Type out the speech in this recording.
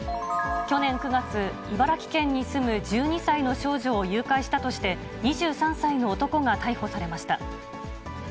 去年９月、茨城県に住む１２歳の少女を誘拐したとして、２３歳の男が逮捕されました。